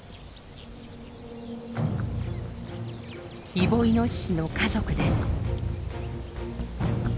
イボイノシシの家族です。